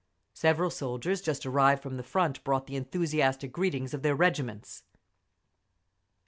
Several soldiers just arrived from the Front brought the enthusiastic greetings of their regiments….